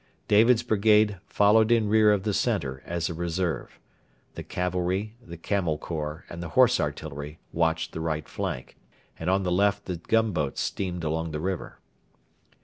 David's brigade followed in rear of the centre as a reserve. The cavalry, the Camel Corps, and the Horse Artillery watched the right flank; and on the left the gunboats steamed along the river.